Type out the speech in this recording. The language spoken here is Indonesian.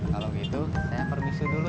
kalau gitu saya permisu dulu